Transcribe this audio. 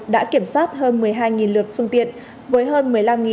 đã kiểm soát hơn một mươi hai lượt phương tiện